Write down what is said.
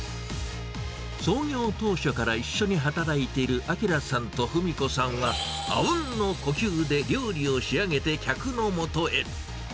創業当初から一緒に働いている明さんと文子さんは、あうんの呼吸で料理を仕上げて客のもとへ。